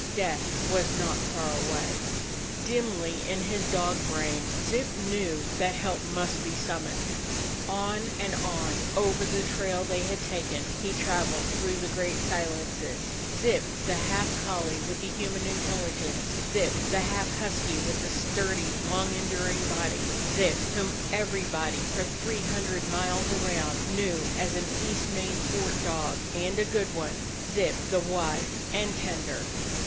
Death was not far away. Dimly in his dog brain Zip knew that help A DOG OF THE NORTHLAND must be summoned. On and on, over the trail they had taken, he traveled through the great silences: Zip, the half collie with the human intelligence; Zip, the half husky, with the sturdy, long enduring body ; Zip, whom every body for three hundred miles around knew as an East Main Fort dog, and a good one; Zip, the wise and tender!